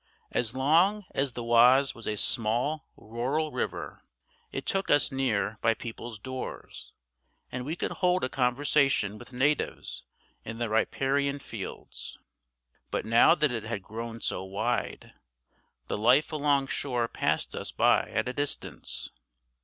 As long as the Oise was a small rural river, it took us near by people's doors, and we could hold a conversation with natives in the riparian fields. But now that it had grown so wide, the life along shore passed us by at a distance.